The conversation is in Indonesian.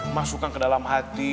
masukkan ke dalam hati